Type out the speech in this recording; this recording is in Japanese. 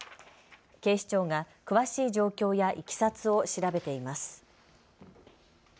警視庁が詳しい状況やいきさつを調べています。